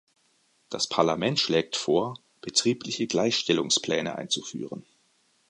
Das Parlament schlägt vor, betriebliche Gleichstellungspläne einzuführen.